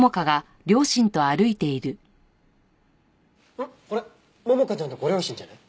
あっこれ桃香ちゃんとご両親じゃない？